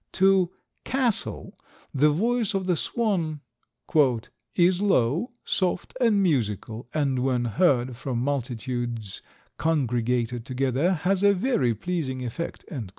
To Cassell the voice of the swan "is low, soft and musical, and when heard from multitudes congregated together has a very pleasing effect."